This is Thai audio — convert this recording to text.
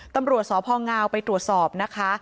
ตำรวจสพงไปตรวจสอบนะคะ